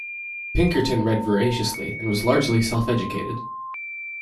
Pinkerton read voraciously and was largely self-educated.